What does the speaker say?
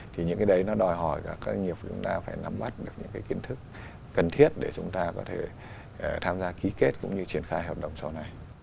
thì những cái đấy nó đòi hỏi các doanh nghiệp chúng ta phải nắm bắt được những cái kiến thức cần thiết để chúng ta có thể tham gia ký kết cũng như triển khai hợp đồng sau này